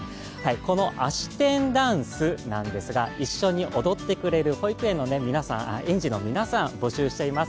この、あし天ダンスなんですが、一緒に踊ってくれる保育園の皆さん、園児の皆さん、募集しています。